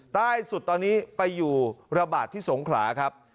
ใต้สุดตอนนี้ไปอยู่ระบาดที่สงขลาครับ